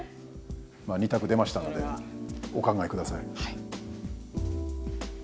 ２択出ましたのでお考え下さい。